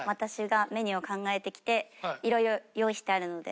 色々用意してあるので。